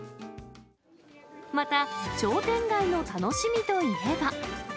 また、商店街の楽しみといえば。